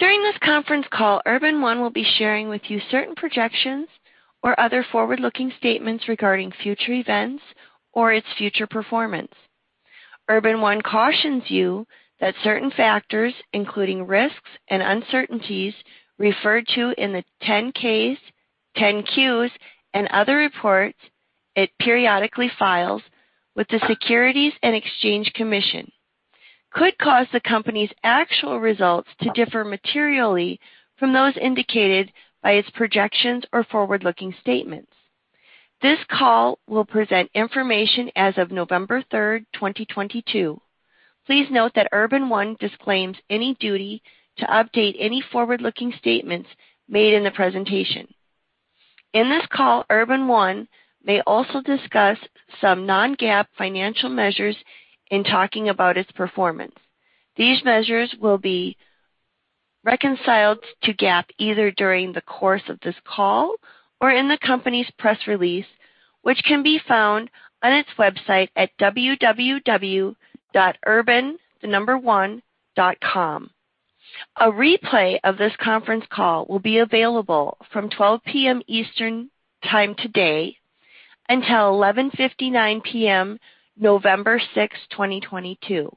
During this conference call, Urban One will be sharing with you certain projections or other forward-looking statements regarding future events or its future performance. Urban One cautions you that certain factors, including risks and uncertainties referred to in the 10-Ks, 10-Qs, and other reports it periodically files with the Securities and Exchange Commission, could cause the company's actual results to differ materially from those indicated by its projections or forward-looking statements. This call will present information as of November 3rd, 2022. Please note that Urban One disclaims any duty to update any forward-looking statements made in the presentation. In this call, Urban One may also discuss some non-GAAP financial measures in talking about its performance. These measures will be reconciled to GAAP either during the course of this call or in the company's press release, which can be found on its website at www.urban1.com. A replay of this conference call will be available from 12:00 P.M. Eastern time today until 11:59 P.M., November 6th, 2022.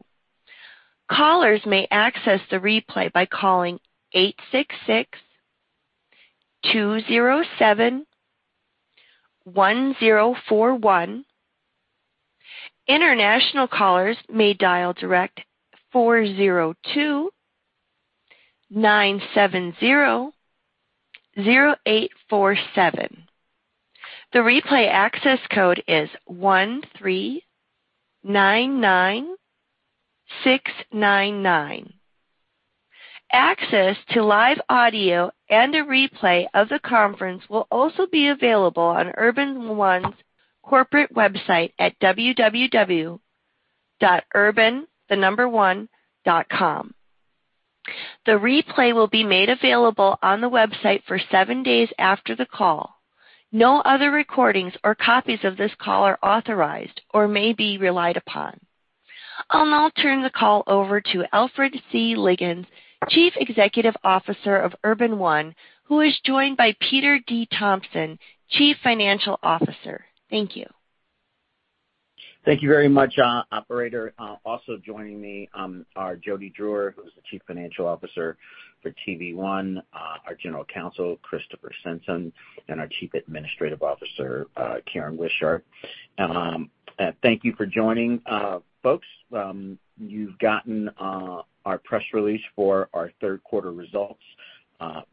Callers may access the replay by calling 866-207-1041. International callers may dial direct 402-970-0847. The replay access code is 1399699. Access to live audio and a replay of the conference will also be available on Urban One's corporate website at www.urban1.com. The replay will be made available on the website for seven days after the call. No other recordings or copies of this call are authorized or may be relied upon. I'll now turn the call over to Alfred C. Liggins III, Chief Executive Officer of Urban One, who is joined by Peter D. Thompson, Chief Financial Officer. Thank you. Thank you very much, operator. Also joining me are Jody Drewer, who's the Chief Financial Officer for TV One, our General Counsel, Kristopher Simpson, and our Chief Administrative Officer, Karen Wishart. Thank you for joining, folks. You've gotten our press release for our third quarter results.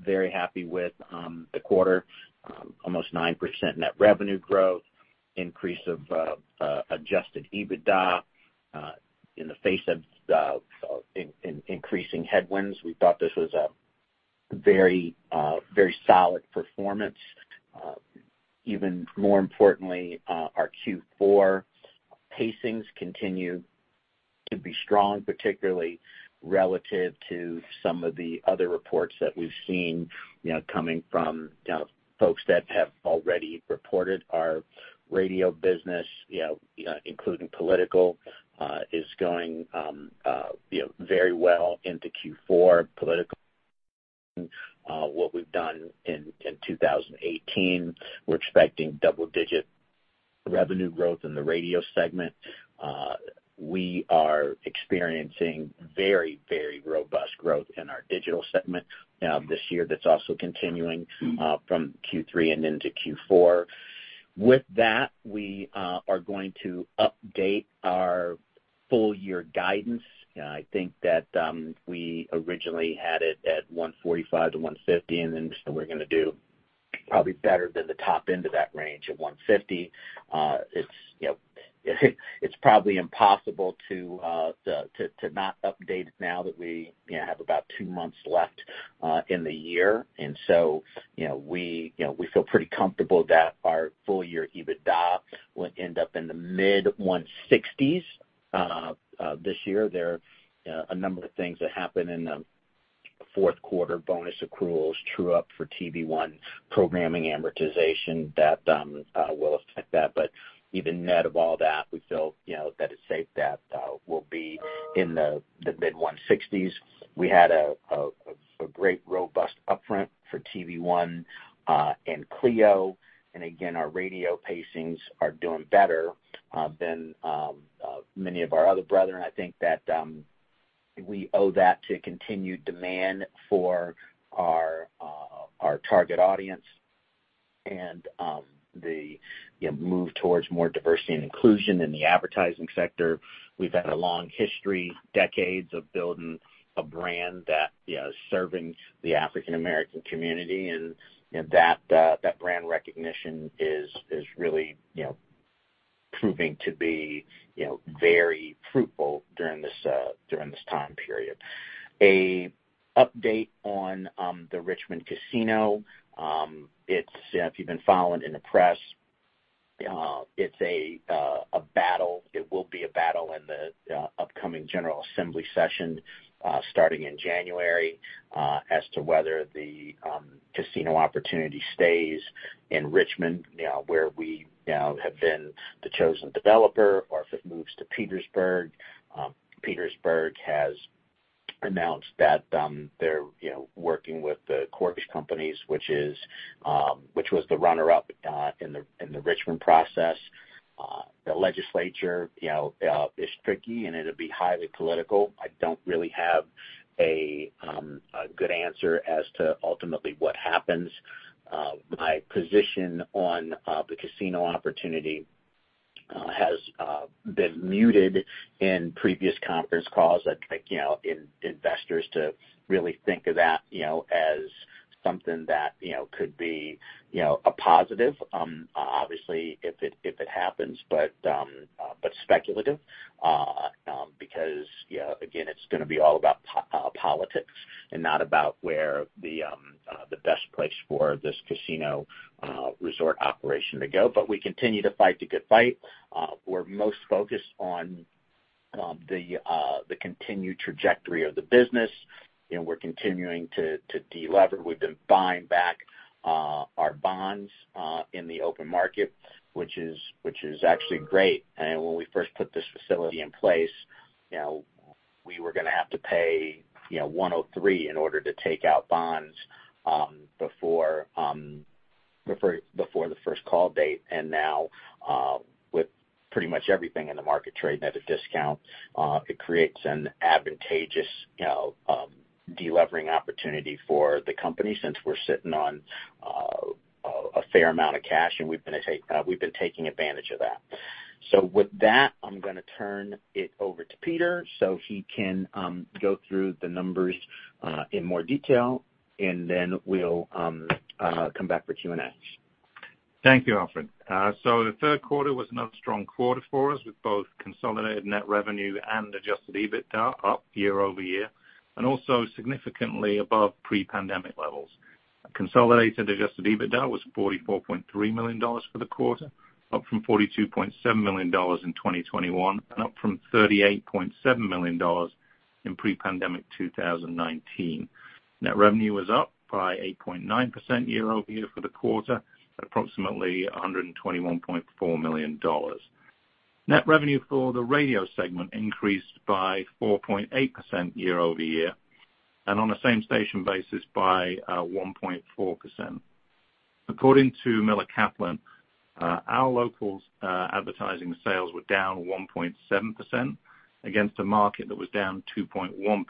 Very happy with the quarter. Almost 9% net revenue growth, increase of adjusted EBITDA, in the face of increasing headwinds. We thought this was a very solid performance. Even more importantly, our Q4 pacings continue to be strong, particularly relative to some of the other reports that we've seen, you know, coming from, you know, folks that have already reported. Our radio business, you know, including political, is going, you know, very well into Q4. Politically, what we've done in 2018, we're expecting double-digit revenue growth in the radio segment. We are experiencing very, very robust growth in our digital segment this year that's also continuing from Q3 and into Q4. With that, we are going to update our full year guidance. I think that we originally had it at $145 million-$150 million, and then we're gonna do probably better than the top end of that range at $150 million. It's, you know, it's probably impossible to not update it now that we, you know, have about two months left in the year. You know, we, you know, we feel pretty comfortable that our full year EBITDA will end up in the mid-$160s million this year. There are a number of things that happen in the fourth quarter, bonus accruals, true up for TV One programming amortization that will affect that. Even net of all that, we feel you know that it's safe that we'll be in the mid-$160s million. We had a great robust upfront for TV One and CLEO TV. Again, our radio pacings are doing better than many of our other brethren. I think that we owe that to continued demand for our target audience and the you know move towards more diversity and inclusion in the advertising sector. We've had a long history, decades of building a brand that, you know, is serving the African-American community, and, you know, that brand recognition is really, you know, proving to be, you know, very fruitful during this time period. An update on the Richmond casino. It's if you've been following in the press, it's a battle. It will be a battle in the upcoming General Assembly session, starting in January, as to whether the casino opportunity stays in Richmond, you know, where we, you know, have been the chosen developer, or if it moves to Petersburg. Petersburg has announced that, they're, you know, working with The Cordish Companies, which was the runner-up in the Richmond process. The legislature, you know, is tricky, and it'll be highly political. I don't really have a good answer as to ultimately what happens. My position on the casino opportunity has been muted in previous conference calls. I'd like, you know, investors to really think of that, you know, as something that, you know, could be, you know, a positive, obviously if it happens, but speculative, because, you know, again, it's gonna be all about politics and not about where the best place for this casino resort operation to go. We continue to fight the good fight. We're most focused on the continued trajectory of the business, and we're continuing to delever. We've been buying back our bonds in the open market, which is actually great. When we first put this facility in place, you know, we were gonna have to pay, you know, 103 in order to take out bonds before the first call date. Now, with pretty much everything in the market trading at a discount, it creates an advantageous, you know, delevering opportunity for the company since we're sitting on a fair amount of cash, and we've been taking advantage of that. With that, I'm gonna turn it over to Peter so he can go through the numbers in more detail, and then we'll come back for Q&A. Thank you, Alfred. The third quarter was another strong quarter for us, with both consolidated net revenue and adjusted EBITDA up year-over-year, and also significantly above pre-pandemic levels. Consolidated adjusted EBITDA was $44.3 million for the quarter, up from $42.7 million in 2021 and up from $38.7 million in pre-pandemic 2019. Net revenue was up by 8.9% year-over-year for the quarter at approximately $121.4 million. Net revenue for the radio segment increased by 4.8% year-over-year and on a same station basis by 1.4%. According to Miller Kaplan, our locals advertising sales were down 1.7% against a market that was down 2.1%.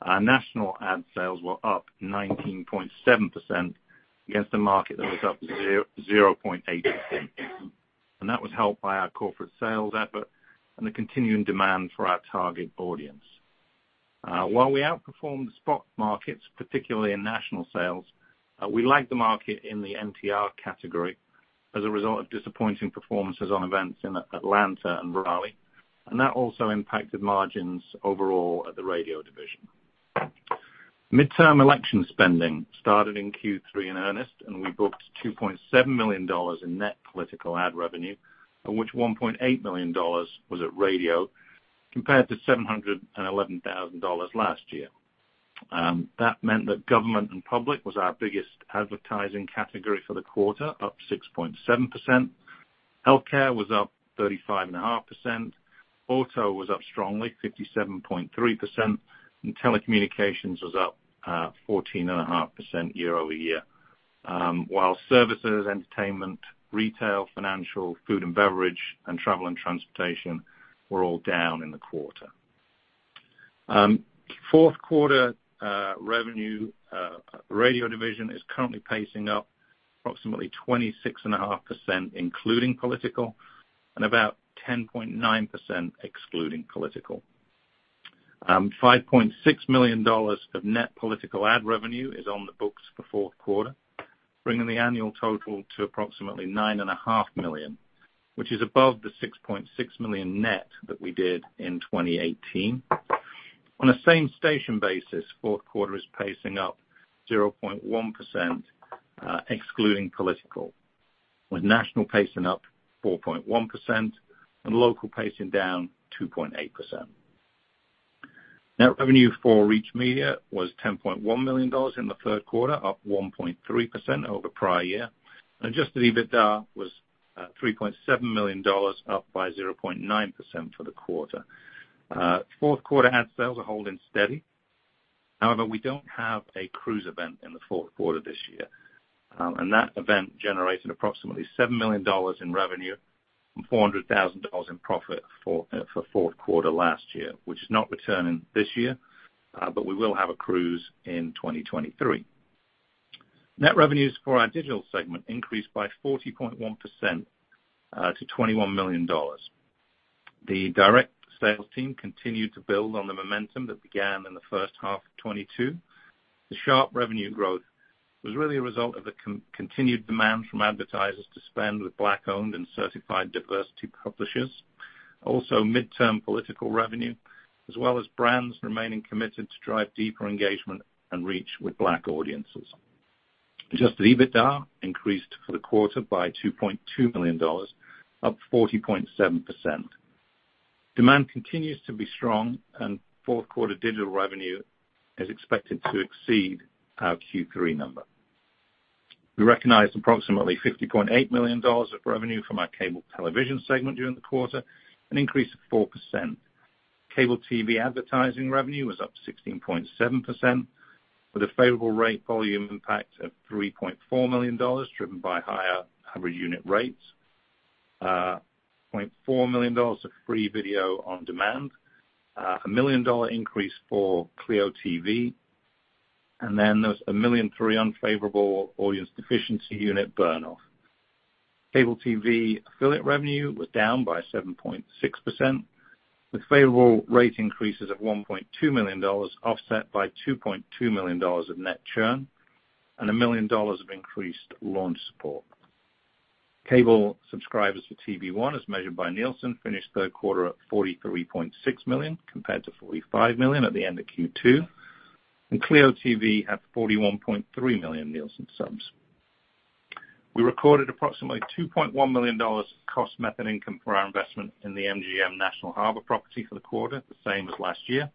Our national ad sales were up 19.7% against a market that was up 0.8%. That was helped by our corporate sales effort and the continuing demand for our target audience. While we outperformed the spot markets, particularly in national sales, we lagged the market in the NTR category as a result of disappointing performances on events in Atlanta and Raleigh, and that also impacted margins overall at the radio division. Midterm election spending started in Q3 in earnest, and we booked $2.7 million in net political ad revenue, of which $1.8 million was at Radio, compared to $711,000 last year. That meant that government and public was our biggest advertising category for the quarter, up 6.7%. Healthcare was up 35.5%. Auto was up strongly, 57.3%, and telecommunications was up, 14.5% year-over-year. While services, entertainment, retail, financial, food and beverage, and travel and transportation were all down in the quarter. Fourth quarter revenue, radio division is currently pacing up approximately 26.5%, including political, and about 10.9% excluding political. $5.6 million of net political ad revenue is on the books for fourth quarter, bringing the annual total to approximately $9.5 million, which is above the $6.6 million net that we did in 2018. On a same station basis, fourth quarter is pacing up 0.1%, excluding political, with national pacing up 4.1% and local pacing down 2.8%. Net revenue for Reach Media was $10.1 million in the third quarter, up 1.3% over prior year, and adjusted EBITDA was $3.7 million, up by 0.9% for the quarter. Fourth quarter ad sales are holding steady. However, we don't have a cruise event in the fourth quarter this year, and that event generated approximately $7 million in revenue and $400,000 in profit for fourth quarter last year, which is not returning this year, but we will have a cruise in 2023. Net revenues for our digital segment increased by 40.1%, to $21 million. The direct sales team continued to build on the momentum that began in the first half of 2022. The sharp revenue growth was really a result of the continued demand from advertisers to spend with Black-owned and certified diversity publishers, also midterm political revenue, as well as brands remaining committed to drive deeper engagement and reach with Black audiences. Adjusted EBITDA increased for the quarter by $2.2 million, up 40.7%. Demand continues to be strong, and fourth-quarter digital revenue is expected to exceed our Q3 number. We recognized approximately $50.8 million of revenue from our cable television segment during the quarter, an increase of 4%. Cable TV advertising revenue was up 16.7% with a favorable rate volume impact of $3.4 million, driven by higher average unit rates. $0.4 million of free video on demand. A $1 million-dollar increase for CLEO TV. There's $1.3 million unfavorable audience deficiency unit burn-off. Cable TV affiliate revenue was down by 7.6%, with favorable rate increases of $1.2 million, offset by $2.2 million of net churn and $1 million of increased launch support. Cable subscribers for TV One, as measured by Nielsen, finished the third quarter at 43.6 million, compared to 45 million at the end of Q2, and CLEO TV had 41.3 million Nielsen subs. We recorded approximately $2.1 million cost method income for our investment in the MGM National Harbor property for the quarter, the same as last year.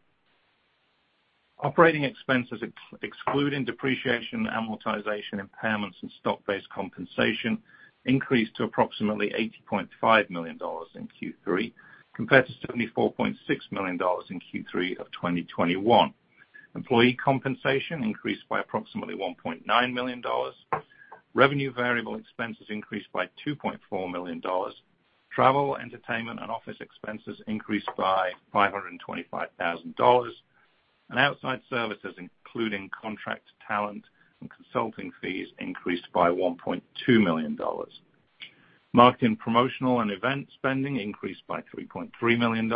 Operating expenses excluding depreciation, amortization, impairments, and stock-based compensation increased to approximately $80.5 million in Q3, compared to $74.6 million in Q3 of 2021. Employee compensation increased by approximately $1.9 million. Revenue variable expenses increased by $2.4 million. Travel, entertainment, and office expenses increased by $525,000, and outside services, including contract talent and consulting fees, increased by $1.2 million. Marketing, promotional, and event spending increased by $3.3 million.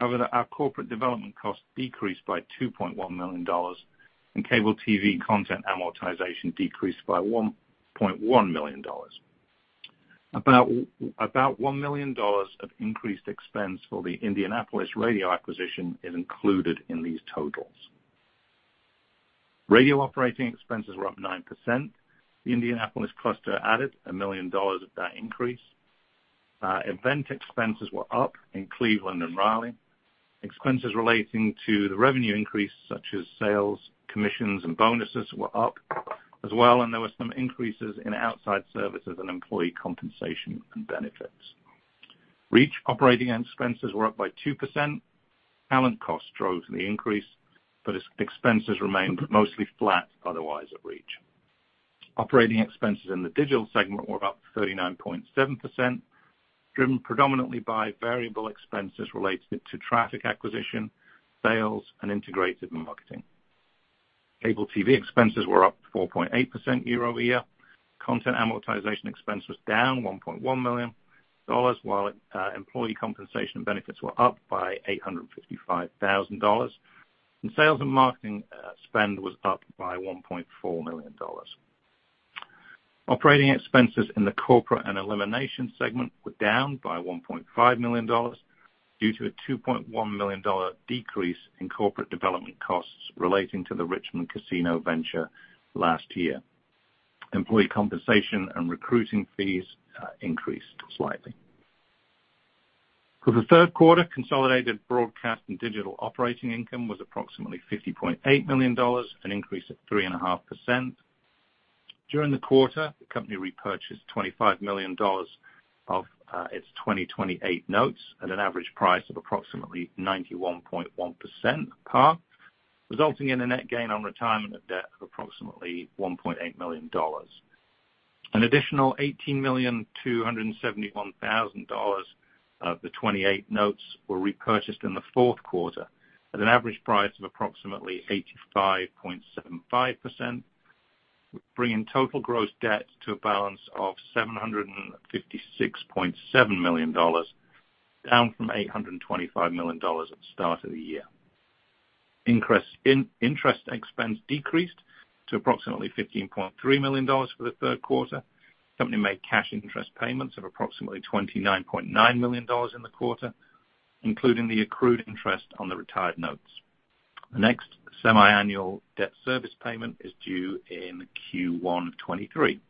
However, our corporate development costs decreased by $2.1 million, and cable TV content amortization decreased by $1.1 million. About $1 million of increased expense for the Indianapolis radio acquisition is included in these totals. Radio operating expenses were up 9%. The Indianapolis cluster added $1 million of that increase. Event expenses were up in Cleveland and Raleigh. Expenses relating to the revenue increase, such as sales, commissions, and bonuses, were up as well, and there were some increases in outside services and employee compensation and benefits. Reach operating expenses were up by 2%. Talent costs drove the increase, but expenses remained mostly flat otherwise at Reach. Operating expenses in the digital segment were up 39.7%, driven predominantly by variable expenses related to traffic acquisition, sales, and integrated marketing. Cable TV expenses were up 4.8% year-over-year. Content amortization expense was down $1.1 million, while employee compensation benefits were up by $855,000. Sales and marketing spend was up by $1.4 million. Operating expenses in the corporate and elimination segment were down by $1.5 million due to a $2.1 million decrease in corporate development costs relating to the Richmond casino venture last year. Employee compensation and recruiting fees increased slightly. For the third quarter, consolidated broadcast and digital operating income was approximately $50.8 million, an increase of 3.5%. During the quarter, the company repurchased $25 million of its 2028 notes at an average price of approximately 91.1% par, resulting in a net gain on retirement of debt of approximately $1.8 million. An additional $18,271,000 of the 2028 notes were repurchased in the fourth quarter at an average price of approximately 85.75%, bringing total gross debt to a balance of $756.7 million, down from $825 million at the start of the year. Interest expense decreased to approximately $15.3 million for the third quarter. Company made cash interest payments of approximately $29.9 million in the quarter, including the accrued interest on the retired notes. The next semiannual debt service payment is due in Q1 2023.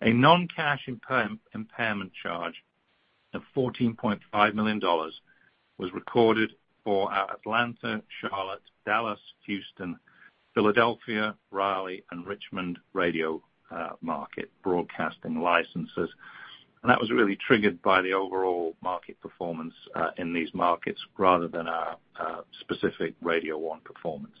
A non-cash impairment charge of $14.5 million was recorded for our Atlanta, Charlotte, Dallas, Houston, Philadelphia, Raleigh, and Richmond radio market broadcasting licenses. That was really triggered by the overall market performance in these markets rather than our specific Radio One performance.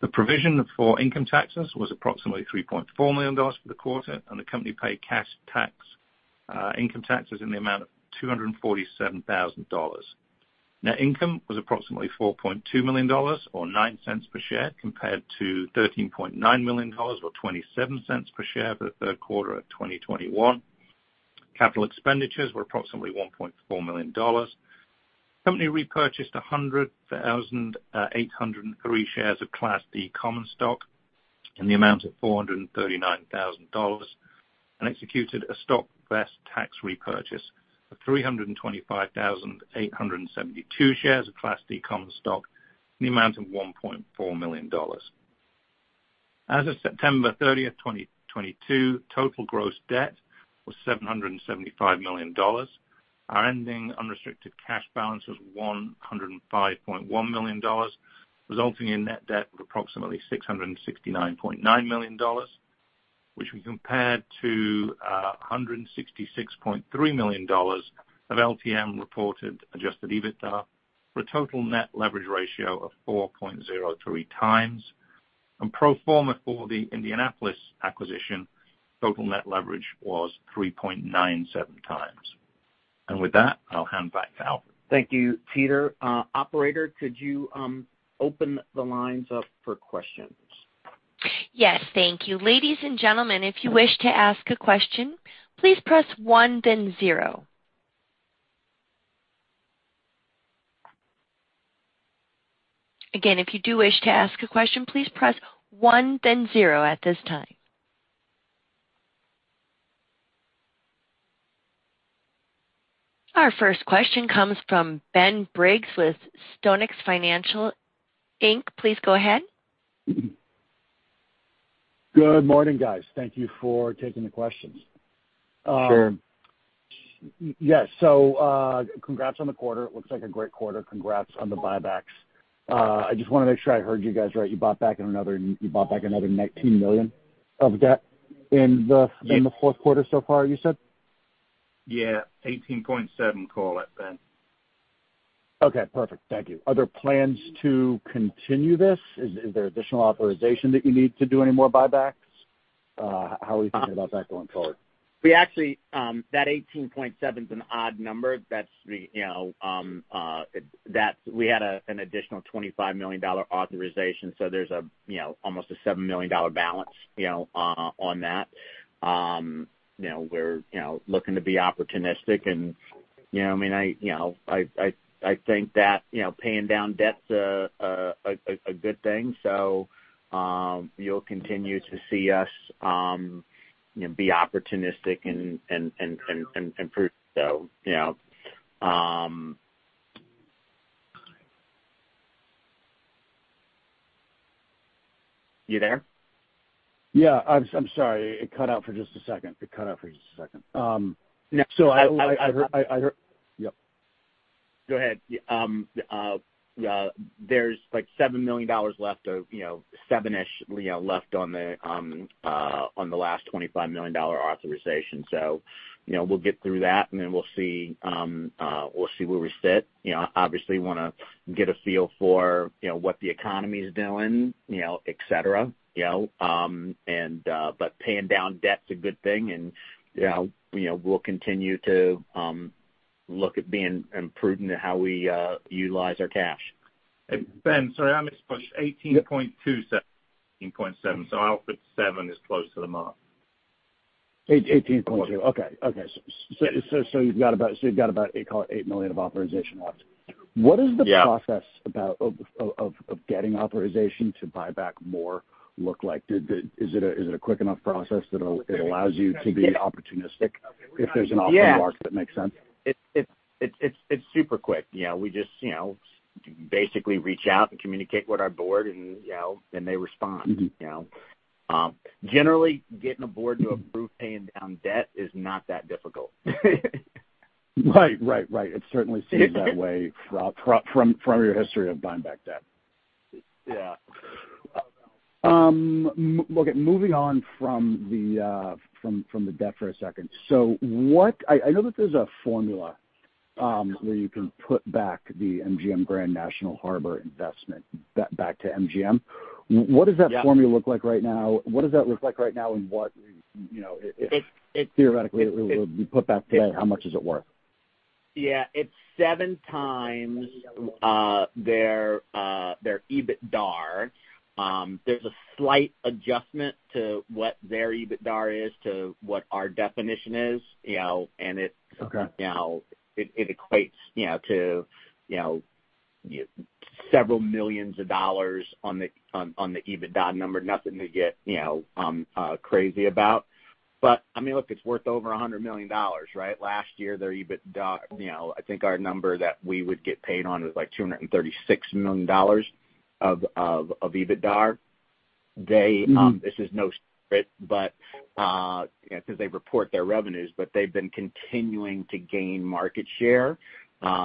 The provision for income taxes was approximately $3.4 million for the quarter, and the company paid cash tax income taxes in the amount of $247,000. Net income was approximately $4.2 million or $0.09 per share, compared to $13.9 million or $0.27 per share for the third quarter of 2021. Capital expenditures were approximately $1.4 million. Company repurchased 100,803 shares of Class D common stock in the amount of $439,000 and executed a stock vest tax repurchase of 325,872 shares of Class D common stock in the amount of $1.4 million. As of September 30th, 2022, total gross debt was $775 million. Our ending unrestricted cash balance was $105.1 million, resulting in net debt of approximately $669.9 million, which we compared to $166.3 million of LTM reported adjusted EBITDA for a total net leverage ratio of 4.03x. Pro forma for the Indianapolis acquisition, total net leverage was 3.97x. With that, I'll hand back to Alfred. Thank you, Peter. Operator, could you open the lines up for questions? Yes. Thank you. Ladies and gentlemen, if you wish to ask a question, please press one then zero. Again, if you do wish to ask a question, please press one then zero at this time. Our first question comes from Ben Briggs with StoneX Financial Inc. Please go ahead. Good morning, guys. Thank you for taking the questions. Sure. Yes. Congrats on the quarter. It looks like a great quarter. Congrats on the buybacks. I just wanna make sure I heard you guys right. You bought back another net $2 million of debt in the fourth quarter so far, you said? Yeah. $18.7 million, call it, Ben. Okay. Perfect. Thank you. Are there plans to continue this? Is there additional authorization that you need to do any more buybacks? How are you thinking about that going forward? We actually that $18.7 million is an odd number. That's we had an additional $25 million authorization. There's almost a $7 million balance, you know, on that. You know, we're looking to be opportunistic and, you know what I mean, I you know I think that, you know, paying down debt's a good thing. You'll continue to see us, you know, be opportunistic and prudent, so you know. You there? Yeah. I'm sorry. It cut out for just a second. So I heard. Yep. Go ahead. There's like $7 million left, you know, seven-ish, you know, left on the last $25 million authorization. You know, we'll get through that, and then we'll see where we sit. You know, obviously, wanna get a feel for, you know, what the economy's doing, you know, et cetera, you know. Paying down debt's a good thing and, you know, we'll continue to look at being prudent in how we utilize our cash. Ben, sorry, I misspoke. $18.27 million, not $18.7 million. Alfred's $7 million is close to the mark. $18.2 million. Okay. You've got about $8 million, call it $8 million of authorization left. Yeah. What is the process of getting authorization to buy back more look like? Is it a quick enough process that it allows you to be opportunistic if there's an off mark that makes sense? Yes. It's super quick. You know, we just, you know, basically reach out and communicate with our board and, you know, and they respond. Mm-hmm. You know? Generally getting a board to approve paying down debt is not that difficult. Right. It certainly seems that way from your history of buying back debt. Yeah. Look, moving on from the debt for a second. I know that there's a formula where you can put back the MGM National Harbor investment back to MGM. Yeah. What does that formula look like right now? What does that look like right now and what, you know, it. It, it- Theoretically, if we put back today, how much is it worth? It's 7x their EBITDAR. There's a slight adjustment to what their EBITDAR is to what our definition is, you know, and it. Okay. You know, it equates, you know, to several millions of dollars on the EBITDAR number. Nothing to get, you know, crazy about. I mean, look, it's worth over $100 million, right? Last year, their EBITDAR, you know, I think our number that we would get paid on is like $236 million of EBITDAR. They, this is no secret, but 'cause they report their revenues, but they've been continuing to gain market share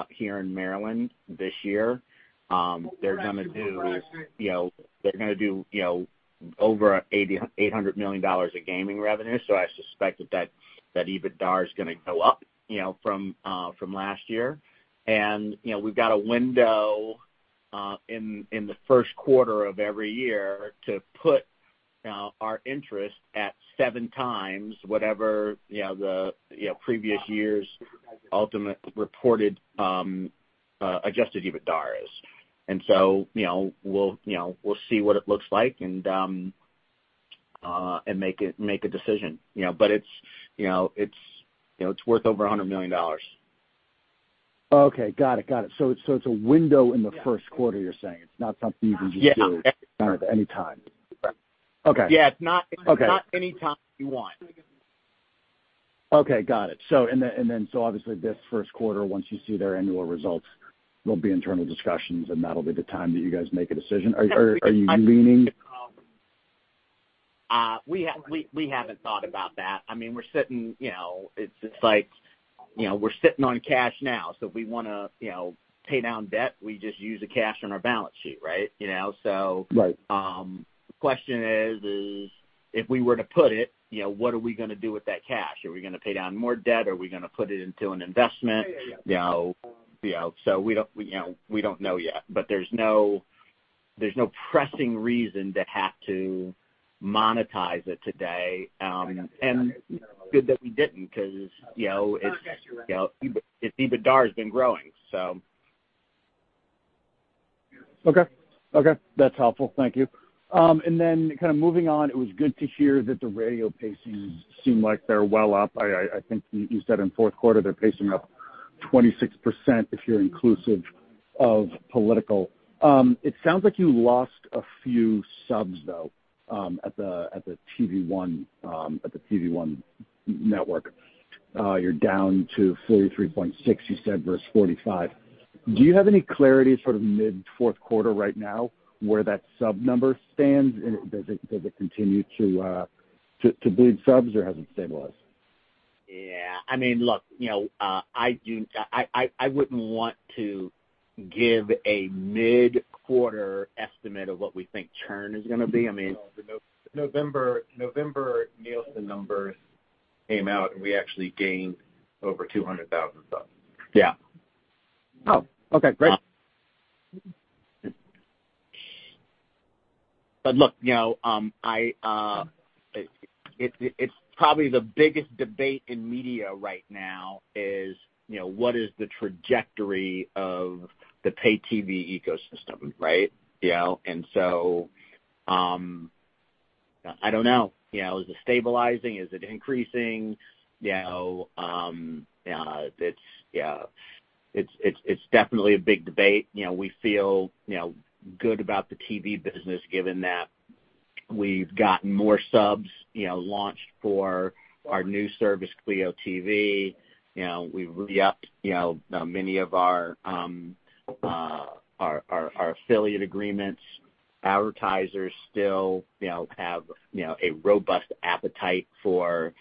here in Maryland this year. They're gonna do, you know, over $800 million of gaming revenue. I suspect that EBITDAR is gonna go up, you know, from last year. You know, we've got a window in the first quarter of every year to put our interest at 7x whatever you know the previous year's ultimate reported adjusted EBITDAR is. You know, we'll see what it looks like and make a decision. You know, but it's worth over $100 million. Okay. Got it. It's a window in the first quarter, you're saying. It's not something you can just do at any time. Yeah. Okay. Yeah. Okay. It's not any time you want. Okay. Got it. Obviously this first quarter, once you see their annual results, there'll be internal discussions, and that'll be the time that you guys make a decision. Are you leaning? We haven't thought about that. I mean, we're sitting, you know, it's like, you know, we're sitting on cash now, so if we wanna, you know, pay down debt, we just use the cash on our balance sheet, right? You know, so. Right. The question is if we were to put it, you know, what are we gonna do with that cash? Are we gonna pay down more debt? Are we gonna put it into an investment? Yeah, yeah. You know, so we don't know yet, but there's no pressing reason to have to monetize it today. Good that we didn't, 'cause you know, it's you know, EBITDAR has been growing, so. Okay. Okay, that's helpful. Thank you. Kinda moving on, it was good to hear that the radio pacings seem like they're well up. I think you said in fourth quarter they're pacing up 26% if you're inclusive of political. It sounds like you lost a few subs though, at the TV One network. You're down to 43.6 million, you said, versus 45 million. Do you have any clarity sort of mid-fourth quarter right now where that sub number stands? Does it continue to bleed subs or has it stabilized? Yeah. I mean, look, you know, I wouldn't want to give a mid-quarter estimate of what we think churn is gonna be. I mean. November Nielsen numbers came out and we actually gained over 200,000 subs. Yeah. Oh, okay, great. Look, you know, it's probably the biggest debate in media right now is, you know, what is the trajectory of the pay TV ecosystem, right? You know, I don't know. You know, is it stabilizing? Is it increasing? You know, it's definitely a big debate. You know, we feel, you know, good about the TV business given that we've gotten more subs, you know, launched for our new service, CLEO TV. You know, we've re-upped, you know, many of our affiliate agreements. Advertisers still, you know, have, you know, a robust appetite for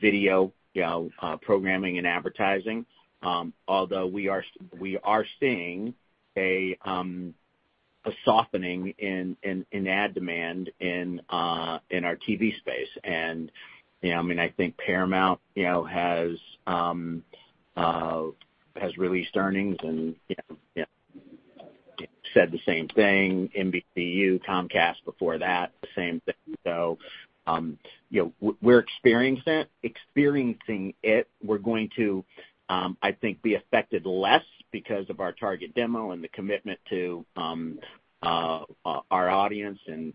video, you know, programming and advertising. Although we are seeing a softening in ad demand in our TV space. You know, I mean, I think Paramount you know has released earnings and you know said the same thing. NBCU, Comcast before that, the same thing. You know, we're experiencing it. We're going to I think be affected less because of our target demo and the commitment to our audience and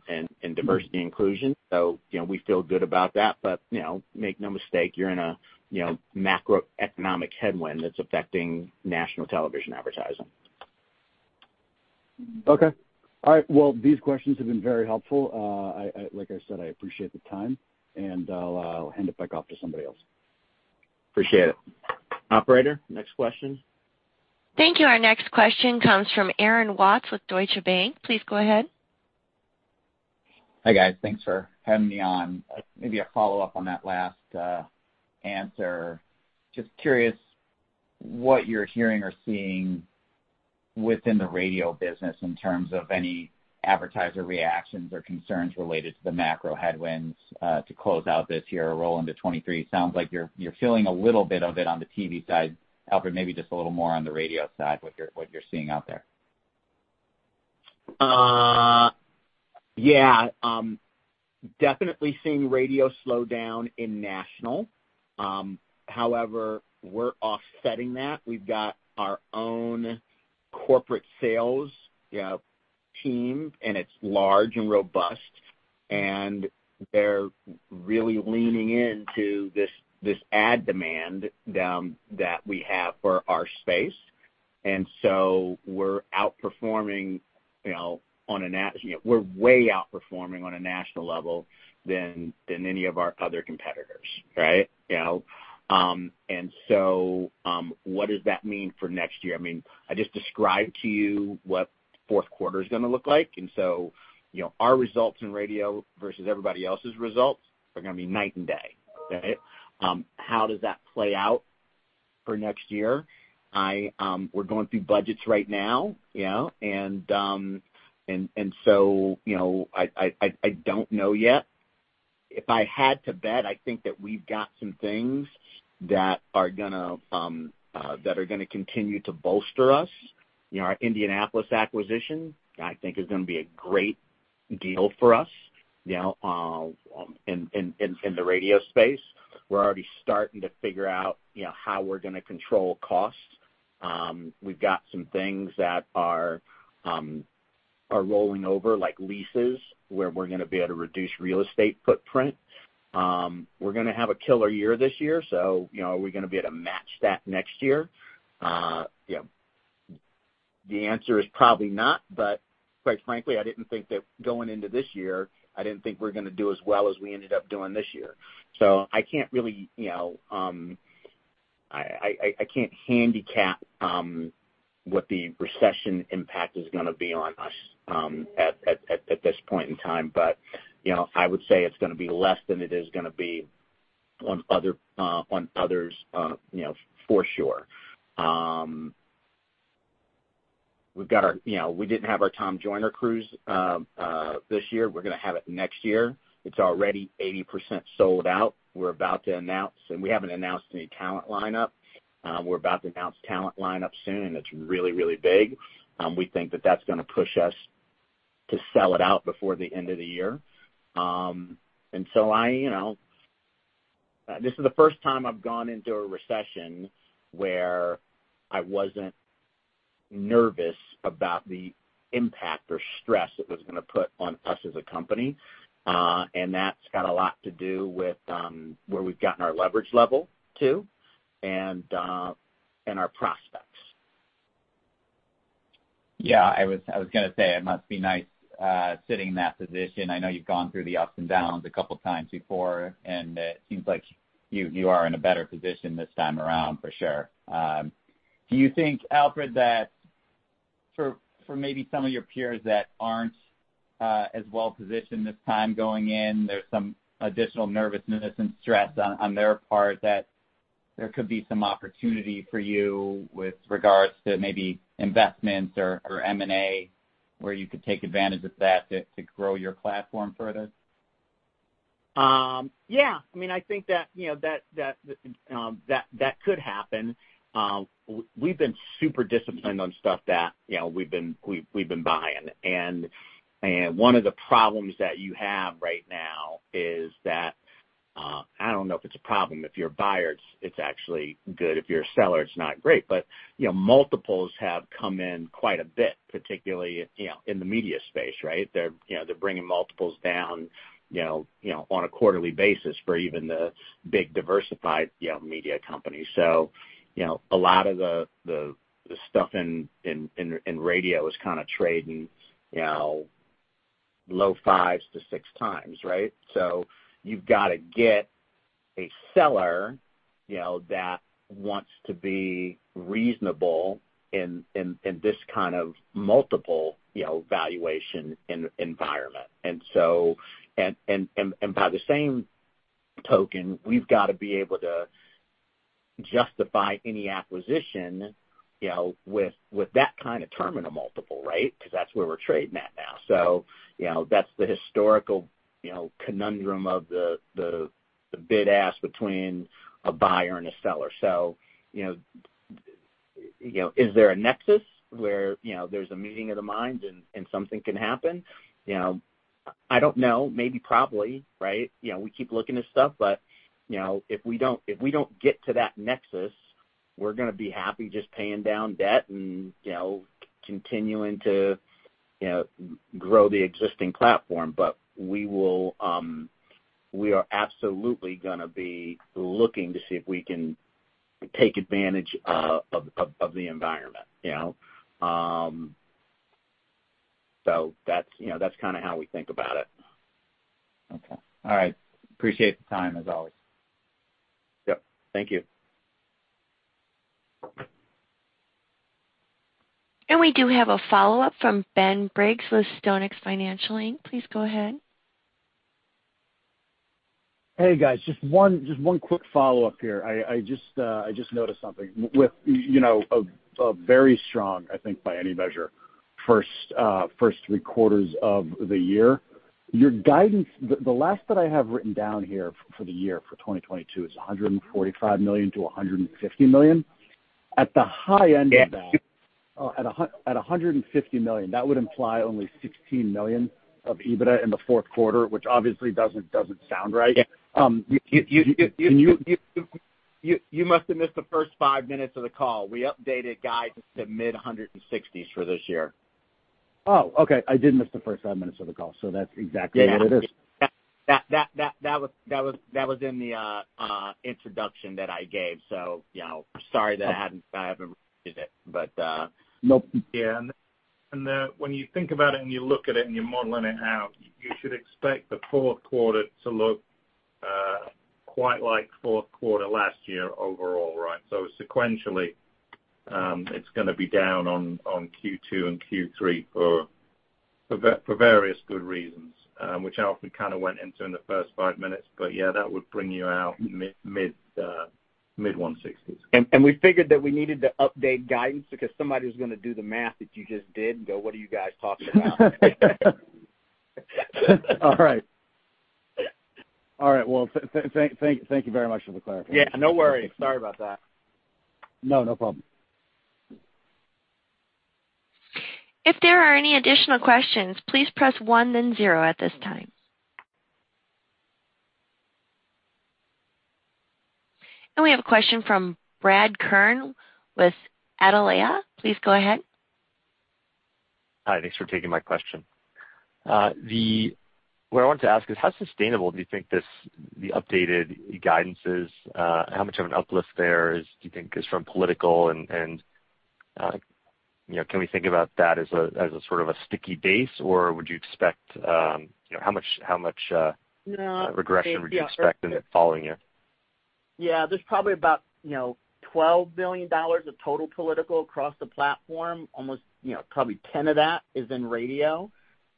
diversity inclusion. You know, we feel good about that. You know, make no mistake, you're in a you know macroeconomic headwind that's affecting national television advertising. Okay. All right. Well, these questions have been very helpful. Like I said, I appreciate the time, and I'll hand it back off to somebody else. Appreciate it. Operator, next question. Thank you. Our next question comes from Aaron Watts with Deutsche Bank. Please go ahead. Hi, guys. Thanks for having me on. Maybe a follow-up on that last answer. Just curious what you're hearing or seeing within the radio business in terms of any advertiser reactions or concerns related to the macro headwinds to close out this year or roll into 2023. Sounds like you're feeling a little bit of it on the TV side. Alfred, maybe just a little more on the radio side, what you're seeing out there. Yeah. Definitely seeing radio slow down in national. However, we're offsetting that. We've got our own corporate sales, you know, team, and it's large and robust, and they're really leaning into this ad demand that we have for our space. We're outperforming, you know. We're way outperforming on a national level than any of our other competitors, right? You know. What does that mean for next year? I mean, I just described to you what fourth quarter is gonna look like. Our results in radio versus everybody else's results are gonna be night and day, right? How does that play out for next year? We're going through budgets right now, you know, and so, you know, I don't know yet. If I had to bet, I think that we've got some things that are gonna continue to bolster us. You know, our Indianapolis acquisition I think is gonna be a great deal for us, you know, in the radio space. We're already starting to figure out, you know, how we're gonna control costs. We've got some things that are rolling over, like leases, where we're gonna be able to reduce real estate footprint. We're gonna have a killer year this year, so, you know, are we gonna be able to match that next year? You know, the answer is probably not, but quite frankly, I didn't think that going into this year, I didn't think we're gonna do as well as we ended up doing this year. I can't handicap what the recession impact is gonna be on us at this point in time. You know, I would say it's gonna be less than it is gonna be on others, you know, for sure. We've got our, you know, we didn't have our Tom Joyner Cruise this year. We're gonna have it next year. It's already 80% sold out. We're about to announce, and we haven't announced any talent lineup. We're about to announce talent lineup soon, and it's really, really big. We think that that's gonna push us to sell it out before the end of the year, you know. This is the first time I've gone into a recession where I wasn't nervous about the impact or stress it was gonna put on us as a company. That's got a lot to do with where we've gotten our leverage level to and our prospects. Yeah, I was gonna say it must be nice sitting in that position. I know you've gone through the ups and downs a couple times before, and it seems like you are in a better position this time around for sure. Do you think, Alfred, that for maybe some of your peers that aren't as well-positioned this time going in, there's some additional nervousness and stress on their part that there could be some opportunity for you with regards to maybe investments or M&A, where you could take advantage of that to grow your platform further? Yeah. I mean, I think that, you know, that could happen. We've been super disciplined on stuff that, you know, we've been buying. One of the problems that you have right now is that, I don't know if it's a problem. If you're a buyer, it's actually good. If you're a seller, it's not great. You know, multiples have come in quite a bit, particularly, you know, in the media space, right? They're bringing multiples down, you know, on a quarterly basis for even the big diversified, you know, media companies. You know, a lot of the stuff in radio is kinda trading, you know, low 5s to 6x, right? You've gotta get a seller, you know, that wants to be reasonable in this kind of multiple, you know, valuation environment. By the same token, we've gotta be able to justify any acquisition, you know, with that kind of terminal multiple, right, 'cause that's where we're trading at now. You know, that's the historical, you know, conundrum of the bid-ask between a buyer and a seller. You know, you know, is there a nexus where, you know, there's a meeting of the minds and something can happen? You know, I don't know, maybe probably, right? You know, we keep looking at stuff, but, you know, if we don't get to that nexus, we're gonna be happy just paying down debt and, you know, continuing to, you know, grow the existing platform. We are absolutely gonna be looking to see if we can take advantage of the environment, you know. That's you know that's kinda how we think about it. Okay. All right. Appreciate the time, as always. Yep. Thank you. We do have a follow-up from Ben Briggs with StoneX Financial Inc. Please go ahead. Hey, guys, just one quick follow-up here. I just noticed something. With, you know, a very strong, I think by any measure, first three quarters of the year, your guidance. The last that I have written down here for the year for 2022 is $145 million-$150 million. At the high end of that. Yeah. Oh, at $150 million, that would imply only $16 million of EBITDA in the fourth quarter, which obviously doesn't sound right. Yeah. You. You must have missed the first five minutes of the call. We updated guidance to mid-$160s million for this year. Oh, okay. I did miss the first five minutes of the call, so that's exactly what it is. Yeah. That was in the introduction that I gave, so you know, sorry that I hadn't, I haven't read it, but. Nope. Yeah, when you think about it and you look at it and you're modeling it out, you should expect the fourth quarter to look quite like fourth quarter last year overall, right? Sequentially, it's gonna be down on Q2 and Q3 for various good reasons, which Alfred kind of went into in the first five minutes. Yeah, that would bring you out mid-$160s million. We figured that we needed to update guidance because somebody was gonna do the math that you just did and go, "What are you guys talking about?" All right. All right, well, thank you very much for the clarification. Yeah, no worry. Sorry about that. No, no problem. If there are any additional questions, please press one then zero at this time. We have a question from Bradd Kern with Atalaya. Please go ahead. Hi, thanks for taking my question. What I wanted to ask is how sustainable do you think this, the updated guidance is? How much of an uplift there is do you think is from political and you know, can we think about that as a, as a sort of a sticky base, or would you expect, you know, how much regression would you expect in it following you? Yeah. There's probably about, you know, $12 billion of total political across the platform. Almost, you know, probably $10 billion of that is in radio.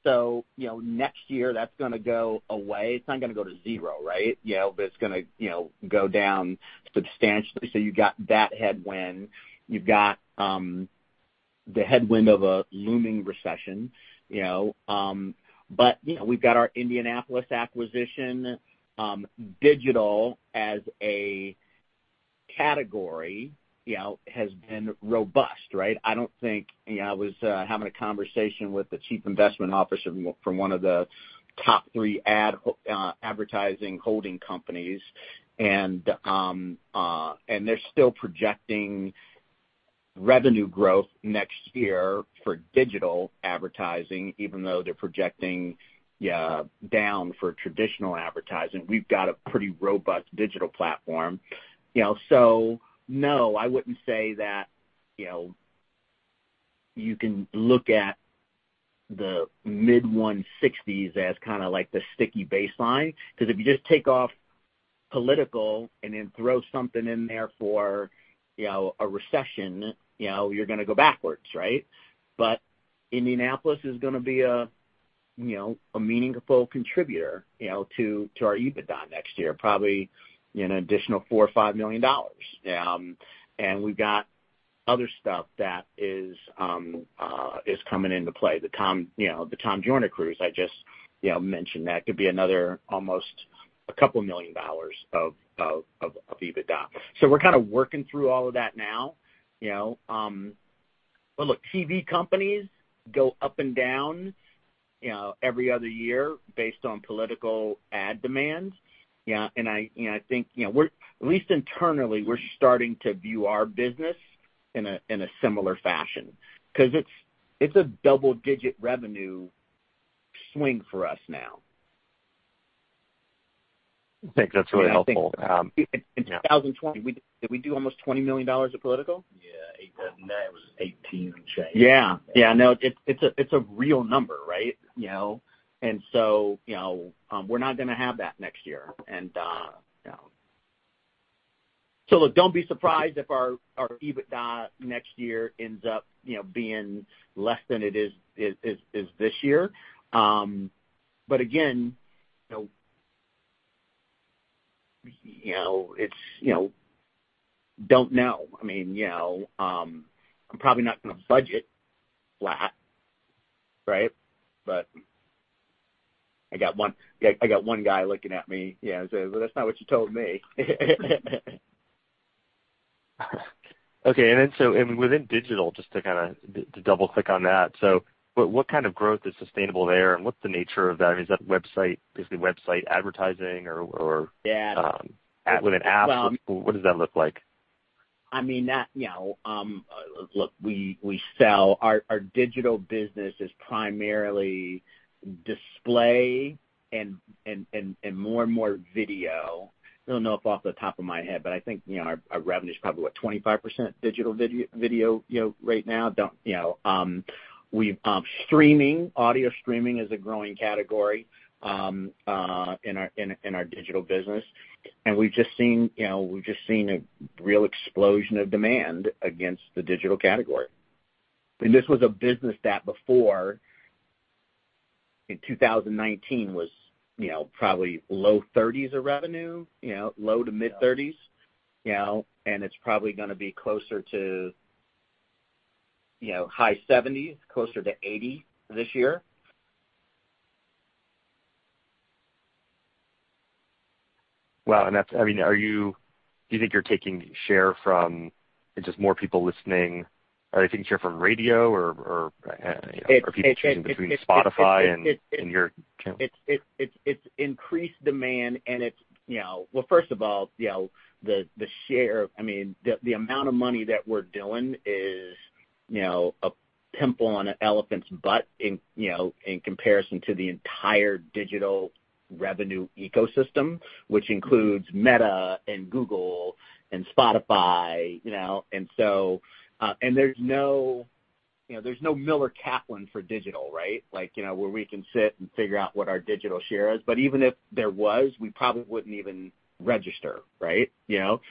Next year, that's gonna go away. It's not gonna go to zero, right? You know, but it's gonna, you know, go down substantially. You've got that headwind. You've got the headwind of a looming recession, you know. We've got our Indianapolis acquisition. Digital as a category, you know, has been robust, right? You know, I was having a conversation with the Chief Investment Officer from one of the top three advertising holding companies, and they're still projecting revenue growth next year for digital advertising, even though they're projecting, yeah, down for traditional advertising. We've got a pretty robust digital platform. You know, no, I wouldn't say that. You know, you can look at the mid-$160s million as kinda like the sticky baseline, 'cause if you just take off political and then throw something in there for, you know, a recession, you know, you're gonna go backwards, right? But Indianapolis is gonna be a meaningful contributor, you know, to our EBITDA next year, probably an additional $4 million-$5 million. We've got other stuff that is coming into play. The Tom Joyner Cruise I just mentioned. That could be another almost a couple million dollars of EBITDA. We're kinda working through all of that now, you know. Look, TV companies go up and down, you know, every other year based on political ad demands, yeah, and I, you know, I think, you know, at least internally, we're starting to view our business in a similar fashion, 'cause it's a double-digit revenue swing for us now. I think that's really helpful. In 2020, did we do almost $20 million of political? Yeah. No, it was $18 million and change. Yeah. No. It's a real number, right? You know. We're not gonna have that next year, you know. Look, don't be surprised if our EBITDA next year ends up, you know, being less than it is this year. Again, you know, it's, you know. Don't know. I mean, you know, I'm probably not gonna budget flat, right? I got one guy looking at me, you know, saying, "Well, that's not what you told me." Okay. Within digital, just to kinda double-click on that, so what kind of growth is sustainable there and what's the nature of that? I mean, is that website, basically website advertising or. Yeah. Within apps, what does that look like? I mean, look, we sell. Our digital business is primarily display and more and more video. I don't know off the top of my head, but I think, you know, our revenue's probably, what, 25% digital video, you know, right now. We've streaming, audio streaming is a growing category in our digital business. We've just seen, you know, we've just seen a real explosion of demand against the digital category. This was a business that before, in 2019 was, you know, probably low $30s million of revenue, you know, low to mid-$30s million, you know, and it's probably gonna be closer to, you know, high $70s million, closer to $80 million this year. Wow. That's, I mean, do you think you're taking share from just more people listening? Are you taking share from radio or, you know, are people choosing between Spotify and your channel? It's increased demand and it's, you know. Well, first of all, you know, the share of, I mean, the amount of money that we're doing is, you know, a pimple on an elephant's butt in, you know, in comparison to the entire digital revenue ecosystem, which includes Meta and Google and Spotify, you know. There's no, you know, Miller Kaplan for digital, right? Like, you know, where we can sit and figure out what our digital share is. But even if there was, we probably wouldn't even register, right? You know?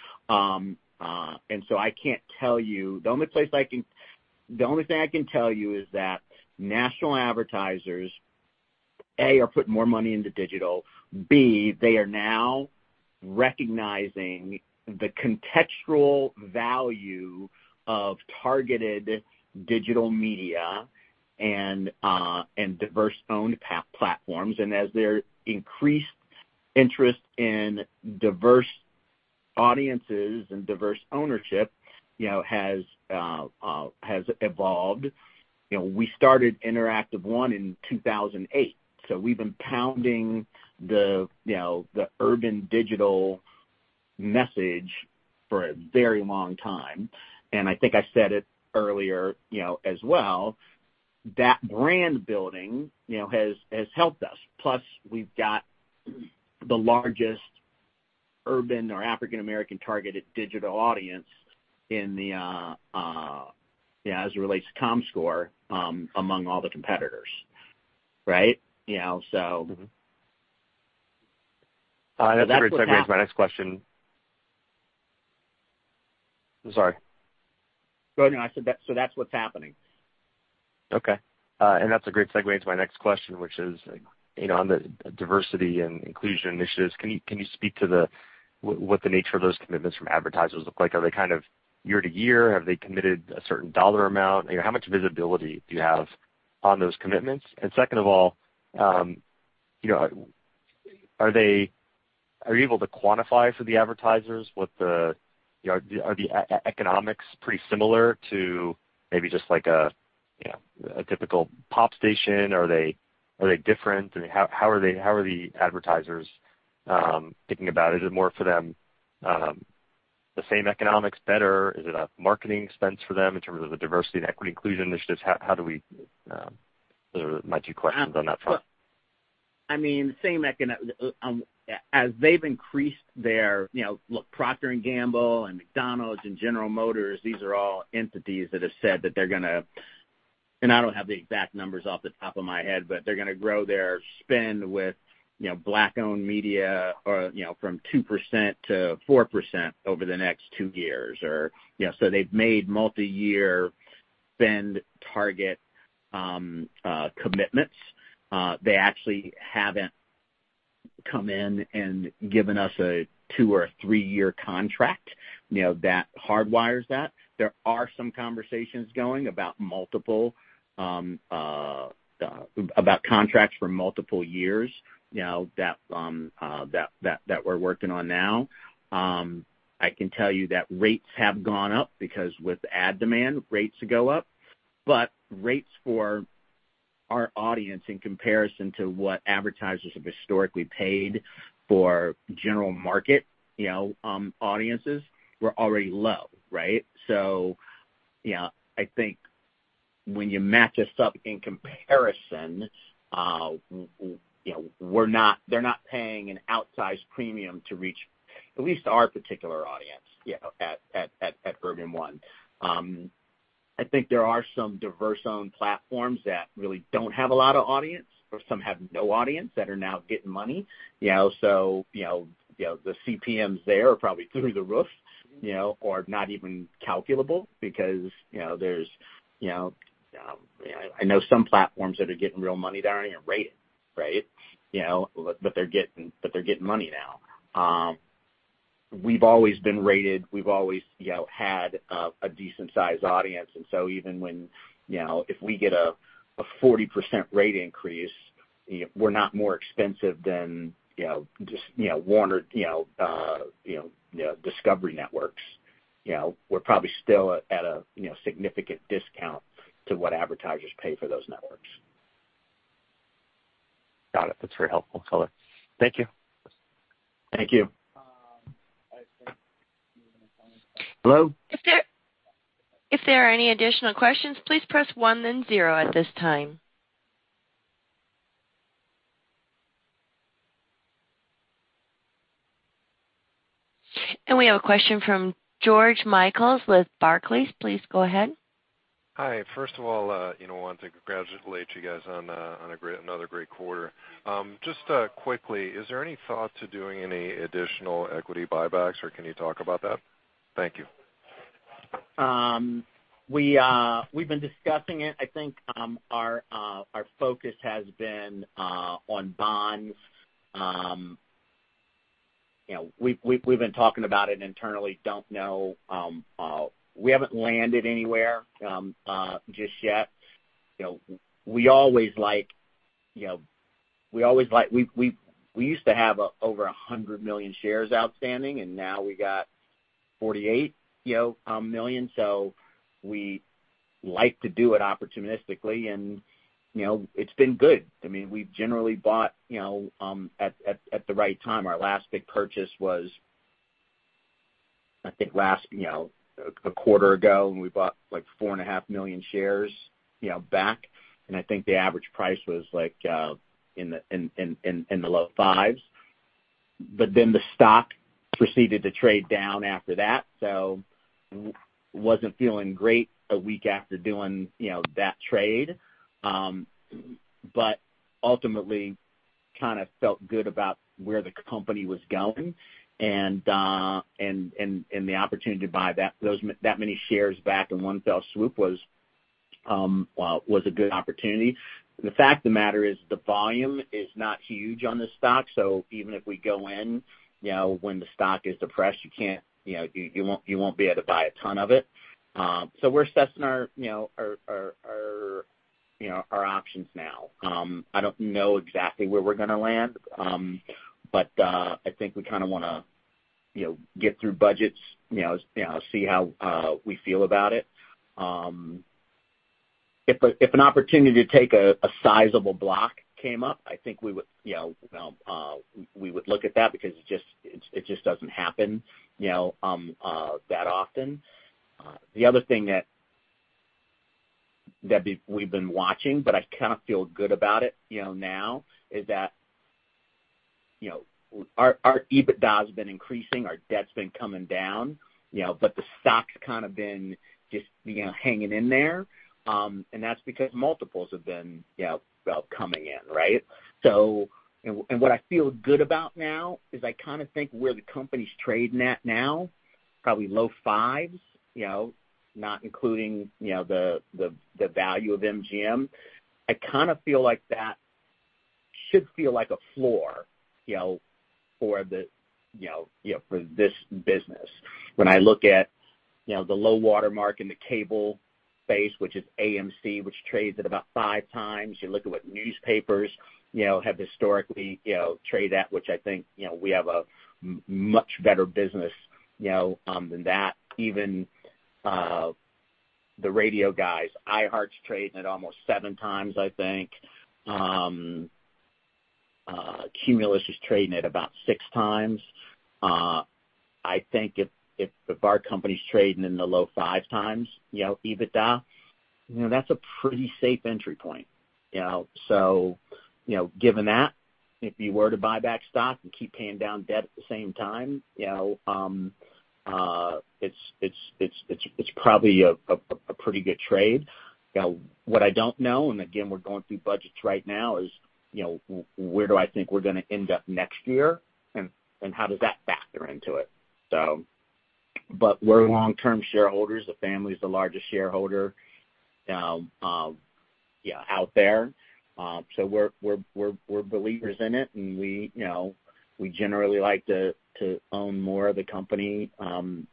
I can't tell you. The only thing I can tell you is that national advertisers, A, are putting more money into digital, B, they are now recognizing the contextual value of targeted digital media and diverse-owned platforms. As their increased interest in diverse audiences and diverse ownership, you know, has evolved, you know, we started Interactive One in 2008, so we've been pounding the, you know, the urban digital message for a very long time. I think I said it earlier, you know, as well, that brand building, you know, has helped us. Plus, we've got the largest urban or African American targeted digital audience in the, yeah, as it relates to Comscore, among all the competitors, right? You know, so- Mm-hmm. That's what's happening. That's a great segue into my next question. I'm sorry. Go ahead. No, I said that's what's happening. Okay. And that's a great segue into my next question, which is, you know, on the diversity and inclusion initiatives, can you speak to what the nature of those commitments from advertisers look like? Are they kind of year to year? Have they committed a certain dollar amount? You know, how much visibility do you have on those commitments? And second of all, you know, are you able to quantify for the advertisers what the, you know, are the economics pretty similar to maybe just like a, you know, a typical pop station? Are they different? I mean, how are the advertisers thinking about it? Is it more for them the same economics, better? Is it a marketing expense for them in terms of the diversity and equity inclusion initiatives? Those are my two questions on that front. I mean, as they've increased their, you know. Look, Procter & Gamble and McDonald's and General Motors, these are all entities that have said that they're gonna, and I don't have the exact numbers off the top of my head, but they're gonna grow their spend with, you know, Black-owned media or, you know, from 2% to 4% over the next two years. You know, they've made multiyear spend target commitments. They actually haven't come in and given us a two or a three-year contract, you know, that hardwires that. There are some conversations going about multiple about contracts for multiple years, you know, that we're working on now. I can tell you that rates have gone up because with ad demand, rates go up. Rates for our audience in comparison to what advertisers have historically paid for general market, you know, audiences were already low, right? I think when you match us up in comparison, we're not—they're not paying an outsized premium to reach at least our particular audience, you know, at Urban One. I think there are some diverse-owned platforms that really don't have a lot of audience, or some have no audience that are now getting money, you know. The CPMs there are probably through the roof, you know, or not even calculable because, you know, there's, you know, I know some platforms that are getting real money, they aren't even rated, right? You know, but they're getting money now. We've always been rated. We've always, you know, had a decent sized audience. Even when, you know, if we get a 40% rate increase, you know, we're not more expensive than, you know, just, you know, Warner Bros. Discovery networks. You know, we're probably still at a, you know, significant discount to what advertisers pay for those networks. Got it. That's very helpful color. Thank you. Thank you. Hello? If there are any additional questions, please press one then zero at this time. We have a question from George Michaels with Barclays. Please go ahead. Hi. First of all, you know, wanted to congratulate you guys on another great quarter. Just quickly, is there any thought to doing any additional equity buybacks, or can you talk about that? Thank you. We've been discussing it. I think our focus has been on bonds. You know, we've been talking about it internally. Don't know. We haven't landed anywhere just yet. You know, we always like, you know, we used to have over 100 million shares outstanding, and now we got 48, you know, million. We like to do it opportunistically and, you know, it's been good. I mean, we've generally bought, you know, at the right time. Our last big purchase was, I think last quarter ago, you know, when we bought, like, 4.5 million shares, you know, back, and I think the average price was, like, in the low $5s. The stock proceeded to trade down after that, so wasn't feeling great a week after doing, you know, that trade. Ultimately kinda felt good about where the company was going and the opportunity to buy that many shares back in one fell swoop was a good opportunity. The fact of the matter is the volume is not huge on this stock, so even if we go in, you know, when the stock is depressed, you can't, you know, you won't be able to buy a ton of it. We're assessing our options now. I don't know exactly where we're gonna land, but I think we kinda wanna get through budgets, you know, see how we feel about it. If an opportunity to take a sizable block came up, I think we would look at that because it just doesn't happen, you know, that often. The other thing that we've been watching, but I kind of feel good about it, you know, now, is that our EBITDA has been increasing, our debt's been coming down, you know, but the stock's kinda been just hanging in there. That's because multiples have been, you know, well, coming in, right. What I feel good about now is I kinda think where the company's trading at now, probably low fives, you know, not including, you know, the value of MGM. I kinda feel like that should feel like a floor, you know, for this business. When I look at, you know, the low water mark in the cable space, which is AMC, which trades at about 5x. You look at what newspapers, you know, have historically, you know, trade at, which I think, you know, we have a much better business, you know, than that. Even the radio guys. iHeart's trading at almost 7x, I think. Cumulus is trading at about 6x. I think if our company's trading in the low 5x, you know, EBITDA, you know, that's a pretty safe entry point, you know? You know, given that, if you were to buy back stock and keep paying down debt at the same time, you know, it's probably a pretty good trade. You know, what I don't know, and again, we're going through budgets right now, is, you know, where do I think we're gonna end up next year and how does that factor into it? We're long-term shareholders. The family's the largest shareholder, yeah, out there. We're believers in it and we, you know, we generally like to own more of the company than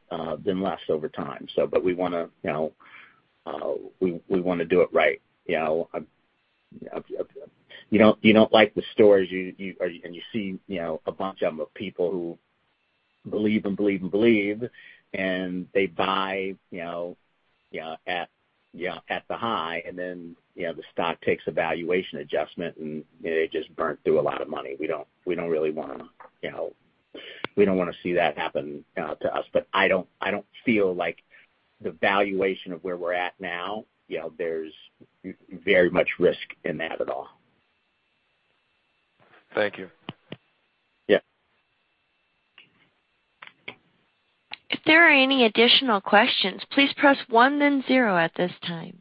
less over time. We wanna, you know, we wanna do it right. You know, you don't like the stories you see. You know, a bunch of them of people who believe, and they buy, you know, at the high and then, you know, the stock takes a valuation adjustment and, you know, they just burnt through a lot of money. We don't really wanna, you know, we don't wanna see that happen to us. I don't feel like the valuation of where we're at now, you know, there's very much risk in that at all. Thank you. Yeah. If there are any additional questions, please press one then zero at this time.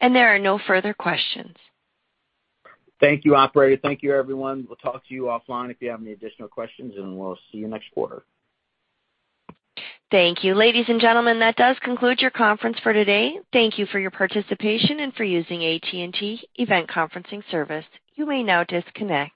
There are no further questions. Thank you, operator. Thank you, everyone. We'll talk to you offline if you have any additional questions, and we'll see you next quarter. Thank you. Ladies and gentlemen, that does conclude your conference for today. Thank you for your participation and for using AT&T Event Conferencing service. You may now disconnect.